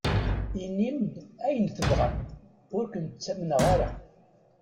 Inim-d ayen tebɣam, ur ken-ttamneɣ ara.